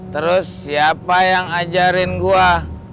terus siapa yang ajarin gue